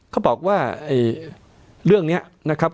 เขาบอกว่ามันเรื่องนะครับ